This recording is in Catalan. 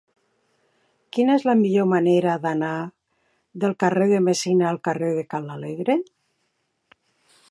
Quina és la millor manera d'anar del carrer de Messina al carrer de Ca l'Alegre?